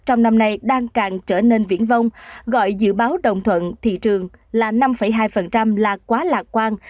trong năm nay đang càng trở nên viễn vong gọi dự báo đồng thuận thị trường là năm hai là quá lạc quan